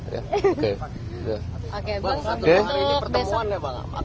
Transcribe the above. bang hari ini pertemuan ya bang